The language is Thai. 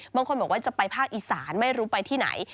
บางคนบอกว่าจะไปภาคอีสานไม่รู้ไปที่ไหน